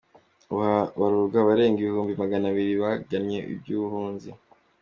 Ubu habarurwa abarenga ibihumbi magana abiri bagannye iy’ubuhunzi.